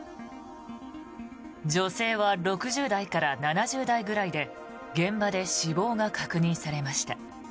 女性は６０代から７０代ぐらいで現場で死亡が確認されました。